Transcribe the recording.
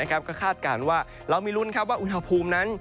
ก็คาดการณ์ว่าเรามีลุ้นว่าอุณหภูมินั้น